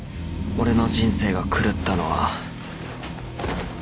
［俺の人生が狂ったのは］